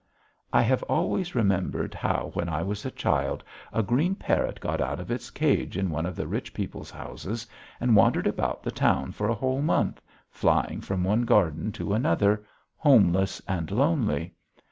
I have always remembered how when I was a child a green parrot got out of its cage in one of the rich people's houses and wandered about the town for a whole month, flying from one garden to another, homeless and lonely.